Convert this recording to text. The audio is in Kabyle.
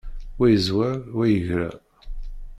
Wa yezwar, wa yegra.